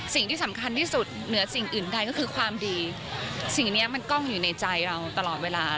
สิ่งที่สำคัญที่สุดเหนือสิ่งอื่นใดก็คือความดีสิ่งเนี้ยมันกล้องอยู่ในใจเราตลอดเวลา